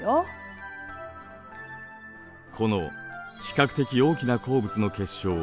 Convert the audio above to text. この比較的大きな鉱物の結晶を「斑晶」。